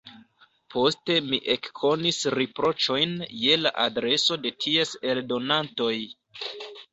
Poste mi ekkonis riproĉojn je la adreso de ties eldonantoj.